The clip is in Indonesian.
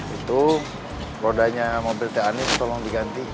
itu rodanya mobil tni anies tolong diganti